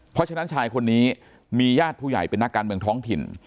เพราะฉะนั้นชายคนนี้มีญาติผู้ใหญ่เป็นนักการเมืองท้องถิ่น